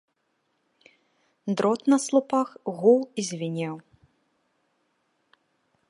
Дрот на слупах гуў і звінеў.